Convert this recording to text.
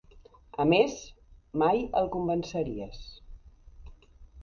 A més, mai el convenceries.